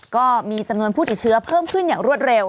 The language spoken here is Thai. ก็มีจำนวนผู้ติดเชื้อเพิ่มขึ้นอย่างรวดเร็ว